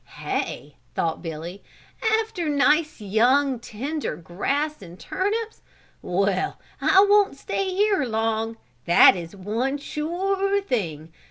"Hay," thought Billy, "after nice tender young grass and turnips! Well, I won't stay here long, that is one sure thing.